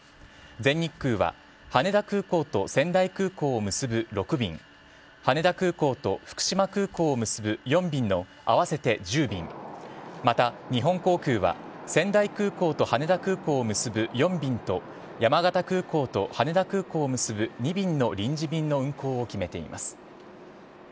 全日空は羽田空港と仙台空港を結ぶ６便羽田空港と福島空港を結ぶ４便の合わせて１０便また、日本航空は仙台空港と羽田空港を結ぶ４便と山形空港と羽田空港を結ぶ２便の臨時便の運航を決めています。